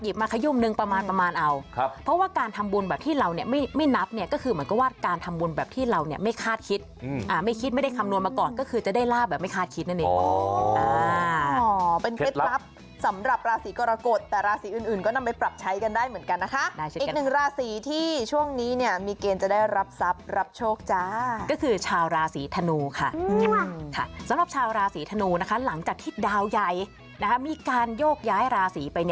สำหรับชาวราศรีธนูนะคะหลังจากที่ดาวยัยมีการโยกย้ายราศรีไป